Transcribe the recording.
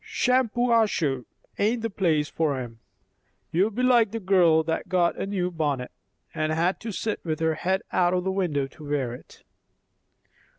Shampuashuh ain't the place for 'em. You'll be like the girl that got a new bonnet, and had to sit with her head out o' window to wear it."